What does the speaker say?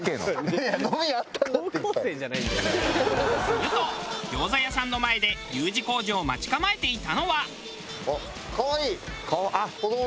すると餃子屋さんの前でＵ字工事を待ち構えていたのは。